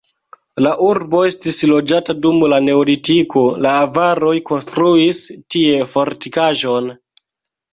La urbo estis loĝata dum la neolitiko, la avaroj konstruis tie fortikaĵon.